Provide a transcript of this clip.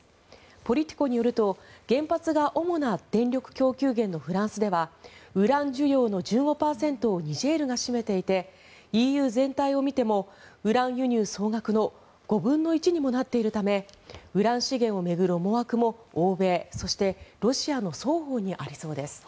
ポリティコによると原発が主な電力供給源のフランスではウラン需要の１５％をニジェールが占めていてＥＵ全体を見てもウラン輸入総額の５分の１にもなっているためウラン資源を巡る思惑も欧米、そしてロシアの双方にありそうです。